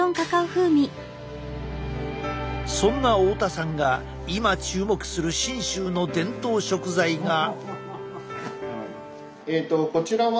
そんな太田さんが今注目する信州の伝統食材が。